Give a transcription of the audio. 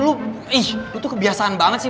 lo tuh kebiasaan banget sih